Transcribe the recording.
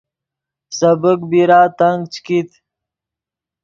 سبیک بیرا تنگ چے کیت